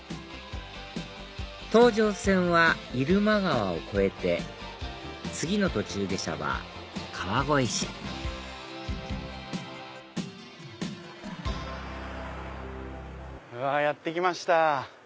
東上線は入間川を越えて次の途中下車は川越市うわやって来ました。